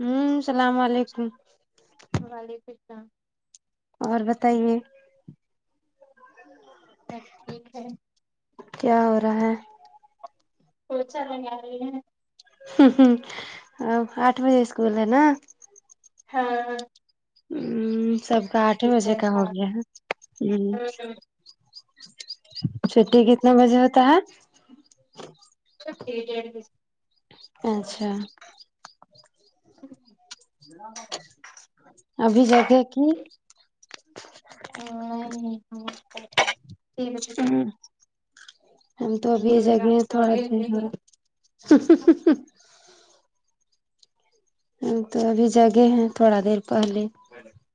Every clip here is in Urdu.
ہوں السلام علیکم ایک کا اور بتائیے سب ٹھیک ہے کیا ہو رہا ہے پوچا لگا رہی ہے ا آٹھ بجے اسکول ہے نا ہاں ہ سب کا آٹھ بجے کچن کا ہو گیا پاک ہے ہ چھٹی کتنا بجے ہوتا ہے چھٹی ڈیڑھ بجے [unintelligible] اچھا [inaudible] ابھی جگے کیوں ہ [unintelligible] ہوں ہم تو ابھی کو لگا جگے ہیں تھوڑا سوئے دیر نہیں۔ ہورا ہم تو ابھی جگے ہیں تھوڑا دیر پہلے [inaudible]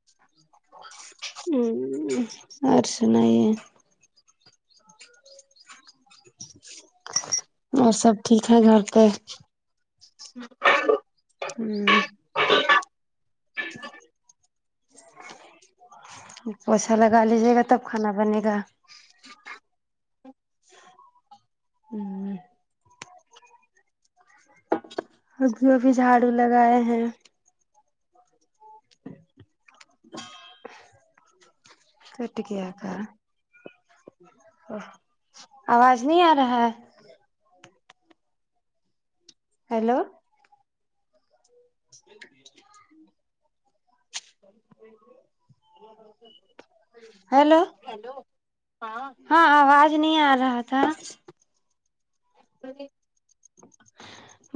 ا [inaudible] ہوں اور سنائیے اور سب ٹھیک ہے گھر پہ [inaudible] ہوں پوچھا لگا لیجیے گا تب کھانا بنے گا ہوں ابھی ابھی جھاڑو لگائے ہیں کٹ گیا تھا آواز نہیں آ رہا ہیلو [inaudible] ہلو ہیلو ہاں ہاں آواز نہیں آ رہا تھا [unintelligible]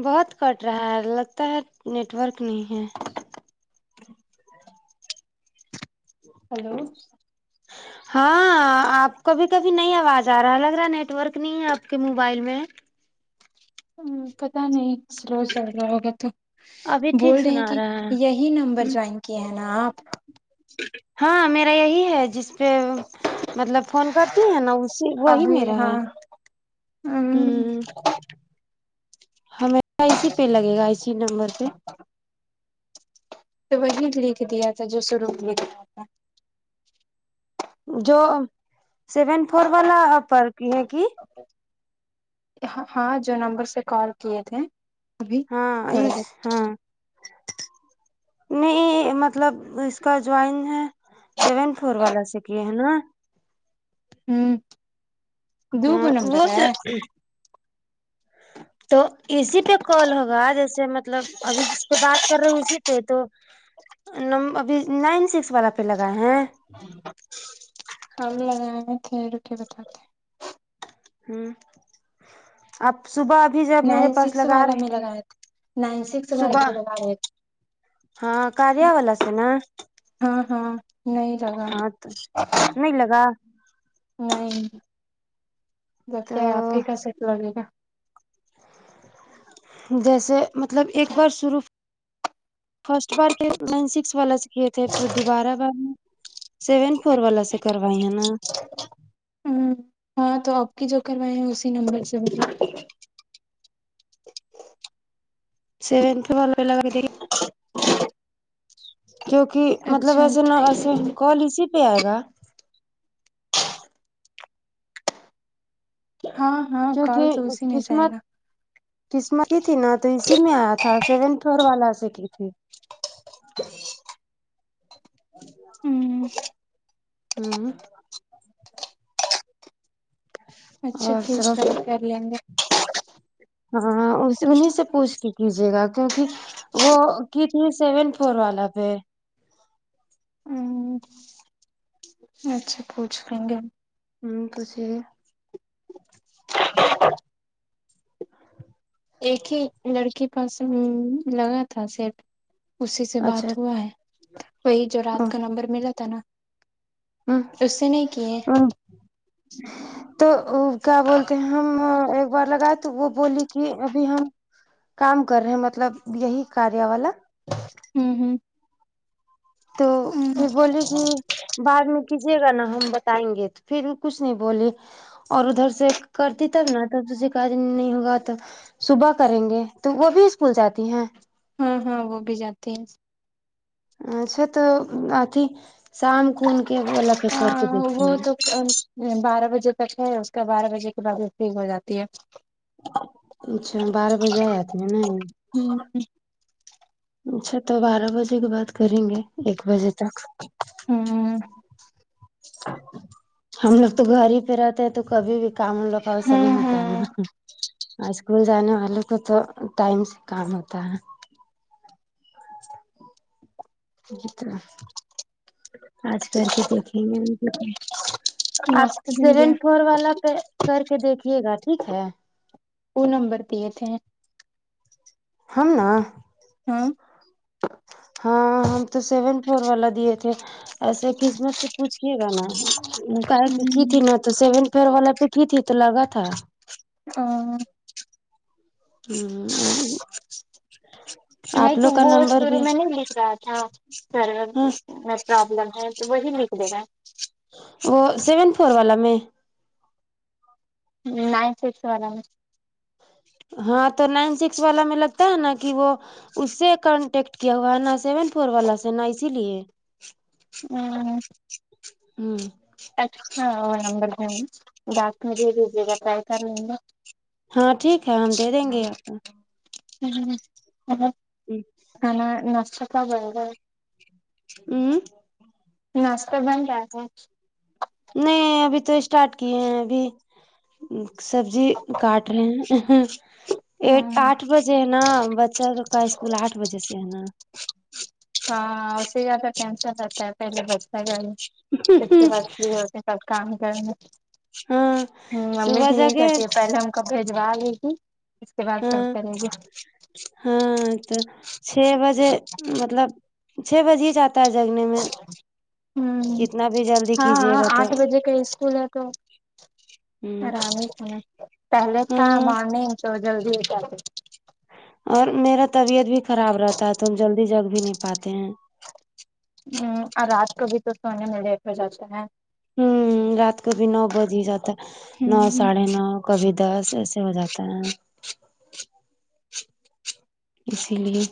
بہت کٹ رہا ہے لگتا ہے نیٹ ورک نہیں ہے ہلو ہاں آپ کو بھی کبھی نہیں آواز آ رہا لگ رہا ہے نیٹ ورک نہیں ہے آپ کے موبائل میں ہوں پتا نہیں سرو سر رہا ہوگا تو ابھی ٹھیک بول رہے ہیں سنا کہ رہا یہی نمبر ہے جوائن کیے ہیں نا آپ ہاں میرا یہی ہے جس پہ مطلب فون کرتی ہے نا اسی وہی میرا ہے ہوں ہمیں نہ اسی پہ لگے گا اسی نمبر پہ تو وہی لکھ دیا تھا جو سروع میں دیا تھا جو سیون فور والا پر کی ہے کی ہاں جو نمبر سے کال کیے تھے ابھی ہاں تھوڑا اس دیر ہاں نہیں مطلب اس کا جوائن ہے سیون فور والا سے کیے ہے نا ہوں دو ہاں گو وہ نمبر چ ہے تو اسی پے کال ہوگا جیسے مطلب ابھی اس پے بات کر رہے اسی پے تو نم ابھی نائن سکس والا پے لگائے ہیں ہم لگائیں ٹھیرو کے بتاتے ہیں ہوں آپ صبح ابھی جب میرے نائن پاس سکس لگا والا رہے میں تھے لگائے تھے نائن سکس والے صبح پے لگا رہے ہاں کاریا والا سے نا ہاں ہاں نہیں لگا ہاں تو نہیں لگا نہیں جب کیا ہے آپ تو ہی کا سٹ لگے گا جیسے مطلب ایک بار شروع فرسٹ بار نائن کلک نائن سکس والا سے کیے تھے پھر دوبارہ بار سیون فور والا سے کروائی ہے نا ہوں ہاں تو اب کی جو کروائے ہیں اسی نمبر سے سیونت والا لگا دی کیوں کی مطلب اچھا ہم وسے نا ٹرائی ایسے کریں گے کال اسی پے آئے گا ہاں ہاں کیونکہ کال تو اسی میں سے آئے قسمت گا قسمت ہی تھی نا تو اسی میں آیا تھا سیون فور والا سے کی تھی [inaudible] [inaudible] ہوں ہوں اچھا اور ٹھیک سب کل کر لیں گے ہاں انہی سے پوچھ کے کیجیے گا کیونکی وہ کی تھی سیون فور والا پے ہوں اچھا پوچھ لیں گے [unintelligible] ایک ہی لڑکی کا سم لگا تھا صرف اسی سے اچھا بات ہوا ہے وہی جو رات ہوں کا نمبر ملا تھا نا ہوں اس سے نہیں کیے ہ تو کیا بولتے ہیں ہم بار لگا تو وہ بولی کی ابھی ہم کام کر رہے ہیں مطلب یہی کاریا والا ہوں ہوں تو پھر بولی کہ بعد میں کیجیے گا نا ہم بتائیں گے تو پھر کچھ نہیں بولی اور ادھر سے کرتی تب نا تب کارن نہیں ہوگا تو صبح کریں گے تو وہ بھی اسکول جاتی ہیں ہوں ہوں وہ بھی جاتے ہیں اچھا تو آتی شام کون کے والا کر کے ہاں دیکھتی وہ ہے تو بارہ بجے تک ہے اس کا بارہ بجے کے بعد وہ فری ہو جاتی ہے اچھا بارہ بجے [unintelligible] ہوں ہ اچھا تو بارہ بجے کے بعد کریں گے ایک بجے تک ہوں ہم لوگ تو گھر ہی پے رہتے ہیں تو کبھی بھی کام لو کا ویسا نہیں ہاں ہوتا ہاں نا اسکول جانے والوں کو تو ٹائم سے کام ہوتا ہے آج کر کے دیکھیں گے ان کو فون آپ ناشتہ بن سیون گیا فور والا پے کر کے دیکھیے گا ٹھیک ہے وہ نمبر دیے تھے ہم نا ہاں ہاں ہم تو سیون فور والا دیے تھے ایسے قسمت سے پوچھیے گا نا کہا کہ کی تھی میں تو سیون فور والا پہ کی تھی تو لگا تھا آں ہوں نہیں تو وہ [unintelligible] میں نہیں بھیج رہا تھا سر ہاں پروابلم ہے تو وہی نکلے گا وہ سیون فور والا میں نائن سکس والا میں ہاں تو نائن سکس والا میں لگتا ہے نا کہ وہ اس سے کانٹیکٹ کیا ہوا ہے نہ سیون فور والا سے نہ اسی لیے ہوں ہوں [unintelligible] ہاں ٹھیک ہے ہم دے دیں گے [inaudible] ہی کھانا ناشتہ تھا برگر ہوں ناشتہ بن کیا کھاۓ نہیں ابھی تو اسٹارٹ کیے ہیں ابھی سبزی کاٹ رہے ہیں ایک آٹھ بجے ہے نا بچہ لوگ کا اسکول آٹھ بجے سے ہے نا ہاں اس سے زیادہ ٹینشن رہتا ہے پہلے بچہ جائے اس نا کے بعد فری ہوتے سب کام کرنے ہاں ہوں ممی صبح بھی جا یہی کے کرتی ہے پہلے ہم کا بھیجوا لیے گی اس کے بعد سب ہاں کرے گی ہاں تو چھ بجے مطلب چھ بجے ہی جات تا جگنے میں ہوں کتنا بھی جلدی ہاں کیجیے ہاں گا تو آٹھ بجے کا اسکول ہے تو ہوں آرام پہلے تھا ہاں مارننگ تو جلدی نکلتے اور میرا طبیعت بھی خراب رہتا ہے تو ہم جلدی جگ بھی نہیں پاتے ہیں ہوں اور رات کو بھی تو سونے میں لیٹ ہو جاتے ہے ہوں رات کو بھی نو بج ہی جاتا ہے نو ہوں ساڑھے نو کبھی دس ایسے ہو جاتا ہیں اسی لیے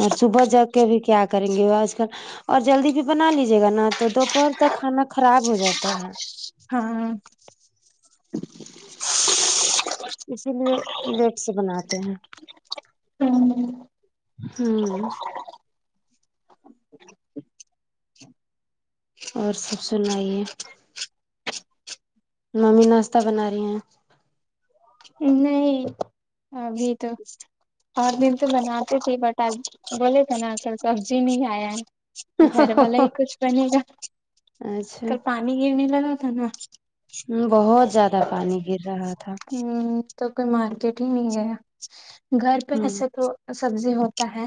اور صبح جاگکے بھی کیا کریں گے وہ آج کل اور جلدی بھی بنا لیجیے گا نا تو دوپہر تک کھانا خراب ہو جاتا ہے ہاں اسی لیے لیٹ سے بناتے ہیں ہوں اور سب سنائیے ممی ناشتہ بنا رہی ہیں نہیں ابھی تو اور دن تو بناتی تھی بٹ آج بولے تھے نا اصل سبزی نی آیا ہے گھر والا ہی ہیں کچھ بنے گا کل اچھا پانی گرنے لگا تھا نا ہوں بہت زیادہ پانی گر رہا تھا ہوں تو کوئی مارکیٹ ہی نہیں گیا گھر پہ ہوں ایسے تو سبزی ہوتا ہے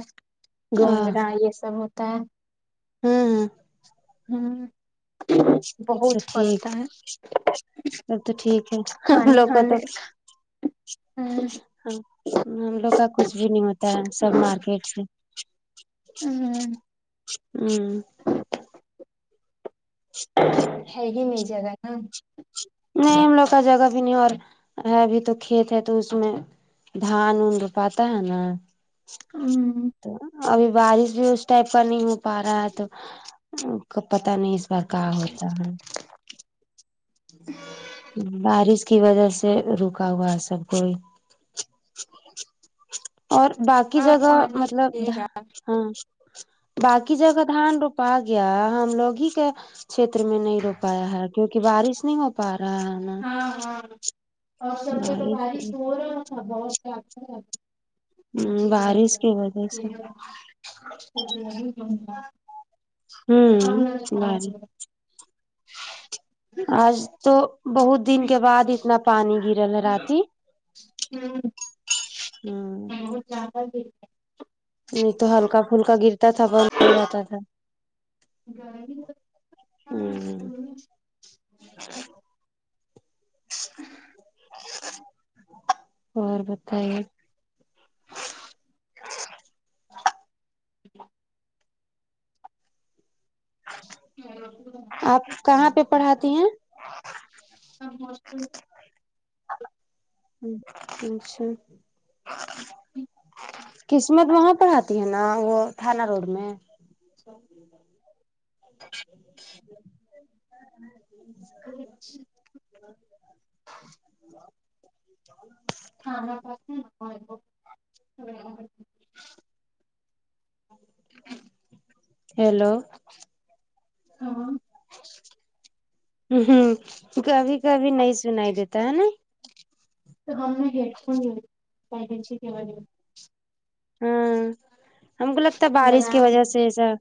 ہاں گونگرا یہ سب ہوتا ہے ہوں ہوں اچھا ٹھیک ہے سب تو ٹھیک ہے کھانے لوگ تو کھانے ہم لوگ کا کچھ بھی نہیں ہوتا ہے سب مارکیٹ سے ہوں ہےگ نہیں جگہ نا نہیں ہم لوگ کا جگہ بھی نہیں اور ہے ابھی تو کھیت ہے تو اس میں دھان اون رپاتا ہے نا تو ابھی بارش بھی اس ٹائپ پر نہیں ہو پا رہا ہے تو کو پتا نہیں اس بار کہاں ہوتا ہے [inaudible] بارش کی وجہ سے رکا ہوا سب کوئی اور باقی آپ جگہ پانی مطلب پیے گا ہاں باقی جگہ دھان روپا گیا ہم لوگ ہی کیا چھیتر میں نہیں رو پایا ہے کیونکہ بارش نہیں ہو پا رہا ہے نا ہاں ہاں اور سب جو تو بارش ہو رہا تھا بہت کیا ہ بارش کی وجہ سے ہوں بارش [inaudible] آج تو بہت دن کے بعد اتنا پانی گرا ہے رتی ہوں ہوں بہت زیادہ د ہے نہیں تو ہلکا پھلکا گرتا تھا ب ر جاتا تھا ہوں [inaudible] [inaudible] [inaudible] اور بتائے [inaudible] آپ کہاں پہ پڑھاتی ہیں اچھا قسمت وہاں پر آتی ہے نا وہ تھانہ روڈ میں [inaudible] [inaudible] ہاںاں [inaudible] ہیلو ہاں ہ کبھی کبھی نہیں سنائی دیتا ہے نا [unintelligible] تو ہم گڈ فون ل پ سے کہا ل ہاں ہم کو لگتا ہے سے بارش کی لگایا وجہ سے ایسا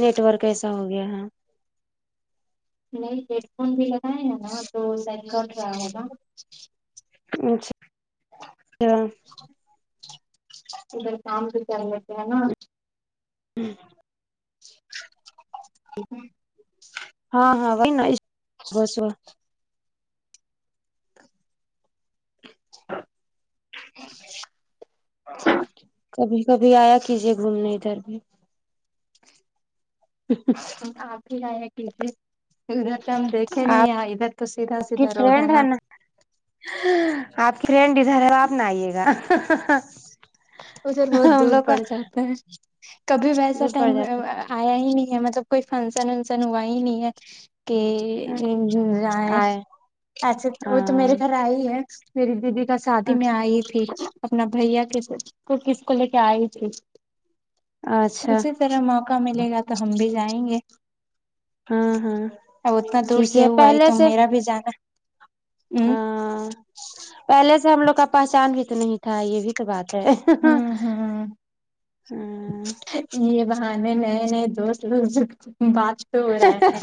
نیٹ ورک ایسا ہو گیا ہاں نہیں ہیڈ فون بھی لگائے ہیں نا تو سید کٹ رہا ہوگا اچ ھا ادھر کام بھی کر لیتے ہے نا ہوں [inaudible] ہاں ہاں وہی نا صبح صبح [inaudible] کبھی کبھی آیا کیجے گھومنے ادھر بھی [inaudible] آپ بھی آیا کیجیے ادھر تو ہم دیکھے نہیں ہے ادھر تو سیدھا سیدھا روڈ ہے نا آپ کی فرینڈ ادھر ہے آپ نہ آئیے گا ہں ہں ہں ادھر بہت دور پڑ جاتے ہیں کبھی ویسا دور پڑ ٹائم جاتا آیا ہی نہیں ہے مطلب کوئی فنکشن ونکشن ہوا ہی نہیں ہے کے ہے نہ ہے آئے ایسے وہ تو میرے ہاں گھر آئی ہے میری دیدی کا شادی میں آئی تھی اپنا بھیا کے کو کس کو لے کے آئی جی جی اچھا اسی طرح ہم آپ موقع ملے گا تو ہم بھی جائیں گے ہاں ہاں اب اتنا دور ٹھیک ہے سے وہ آئی پہلے تو سے میرا بھی جانا ہ ہاں پہلے سے ہم لوگ کا پہچان بھی تو نہیں تھا یہ بھی تو بات ہے ہی۔ ہی ہوں یہ بہانہ میں نئے نئے دوست بات تو ہو رہا ہے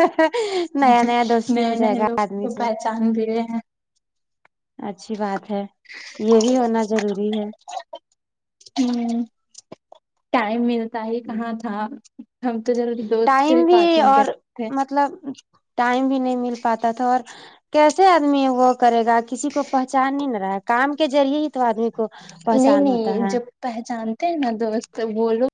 نیا نیا دوستی ہو نئے جائے نئے گا لوگ آدمی کو سے پہچان بھی رہے ہیں اچھی بات ہے یہ بھی ہونا ضروری ہے ہوں ٹائم ملتا ہی ہے کہاں ہاں ہم تو ضرور ٹائم بھی اور مطلب ٹائم بھی نہیں مل پاتا تھا اور کیسے آدمی وہ کرے گا کسی کو پہچان نہیں نہ رہا ہے کام کے ذریعے ہی تو آدمی کو نہیں پہچان ہوتا نہیں ہے جب پہچانتے ہیں نا دوست بولو